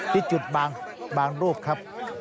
ที่จุดบางรูปครับ